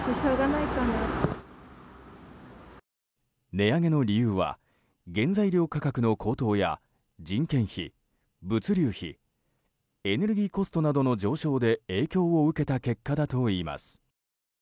値上げの理由は原材料価格の高騰や人件費、物流費エネルギーコストなどの上昇で影響を受けた結果だといいます。